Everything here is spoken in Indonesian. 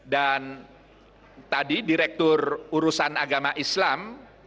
dan tadi direktur urusan agama islam